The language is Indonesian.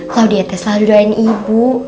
klaudia t selalu doain ibu